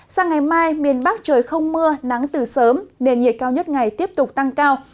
sang ngày mai miền bắc trời không mưa nắng từ sớm nền nhiệt cao nhất ngày tiếp tục tăng cao